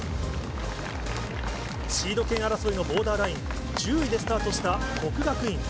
シード権争いのボーダーライン、１０位でスタートした國學院。